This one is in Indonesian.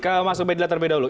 ke mas ubedla terlebih dahulu